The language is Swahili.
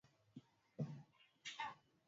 dawa ya kutibu ugonjwa wa kisukari inapatikana